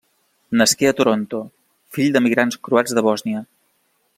Nasqué a Toronto, fill d'emigrants croats de Bòsnia.